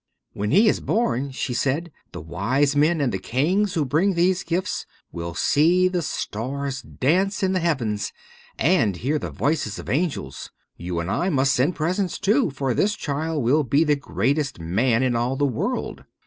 "When he is born," she said, "the wise men and the kings who bring these gifts will see the stars dance in the heavens and hear the voices of angels. You and I must send presents, too, for this child will be the greatest man in all the world."